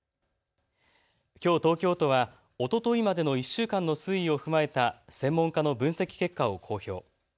きょう東京都はおとといまでの１週間の推移を踏まえた専門家の分析結果を公表。